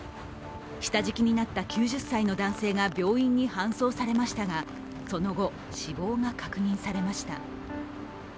下敷きになった９０歳の男性が病院に搬送されましたがその後、死亡が確認されました。